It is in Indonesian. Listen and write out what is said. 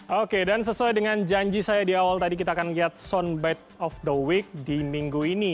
oke dan sesuai dengan janji saya di awal tadi kita akan lihat soundbite of the week di minggu ini